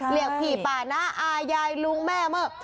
เรียกผีป่าน้าอายายลุงแม่เมอะ